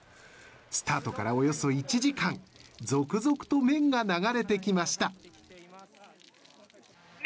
スタートからおよそ１時間、続々と麺が流れてきました。